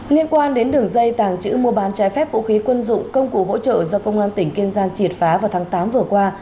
liên quan đến đường dây tàng chữ mua bán trái phép vũ khí quân dụng công cụ hỗ trợ do công an tỉnh kiên giang triệt phá vào tháng tám vừa qua